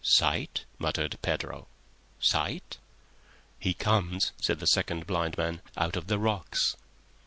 "Sight?" muttered Pedro. "Sight?" "He comes," said the second blind man, "out of the rocks."